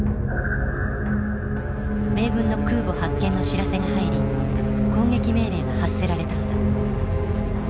米軍の空母発見の知らせが入り攻撃命令が発せられたのだ。